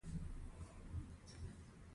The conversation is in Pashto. نن مې د کور سامان برابر کړ.